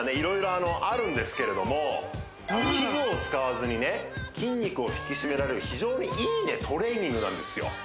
色々あるんですけれども器具を使わずにね筋肉を引き締められる非常にいいねトレーニングなんですよ